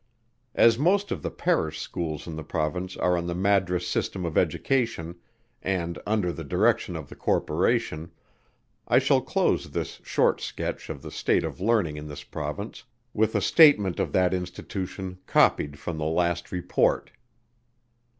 As most of the Parish Schools in the Province are on the Madras system of education, and under the direction of the corporation, I shall close this short sketch of the state of learning in this Province with a statement of that institution copied from the last report.